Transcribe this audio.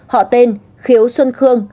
hai họ tên khiếu xuân khương